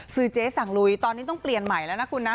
เจ๊สั่งลุยตอนนี้ต้องเปลี่ยนใหม่แล้วนะคุณนะ